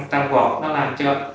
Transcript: tăng gọt nó làm cho